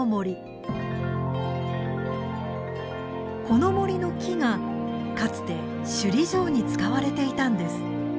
この森の木がかつて首里城に使われていたんです。